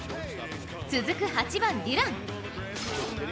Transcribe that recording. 続く８番・デュラン。